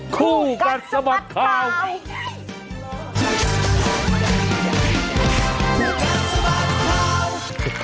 คู่กันสมัติข่าวใกล้